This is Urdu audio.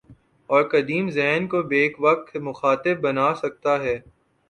اور قدیم ذہن کو بیک وقت مخاطب بنا سکتا ہے۔